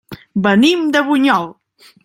Venim de Bunyol.